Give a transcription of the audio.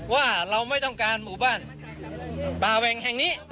ว่าเราไม่ต้องการหมู่บ้านป่าแหว่งแห่งนี้